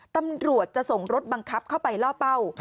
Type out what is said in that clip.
ตำรวจจะส่งรถบังคับเข้าไปล่อเป้า